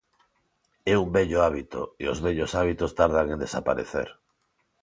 É un vello hábito, e os vellos hábitos tardan en desaparecer.